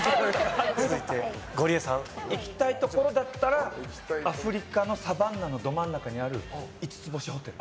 行きたいところだったらアフリカのサバンナのど真ん中にある５つ星ホテル。